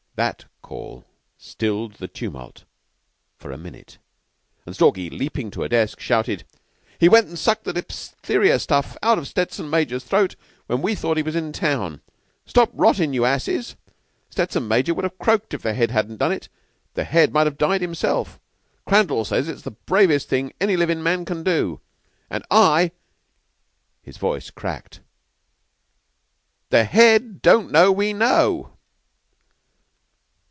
That call stilled the tumult for a minute, and Stalky, leaping to a desk, shouted, "He went and sucked the diphtheria stuff out of Stettson major's throat when we thought he was in town. Stop rotting, you asses! Stettson major would have croaked if the Head hadn't done it. The Head might have died himself. Crandall says it's the bravest thing any livin' man can do, and I" his voice cracked "the Head don't know we know!"